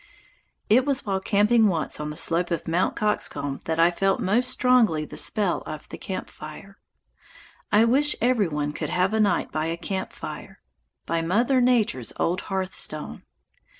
It was while camping once on the slope of Mt. Coxcomb that I felt most strongly the spell of the camp fire. I wish every one could have a night by a camp fire, by Mother Nature's old hearthstone.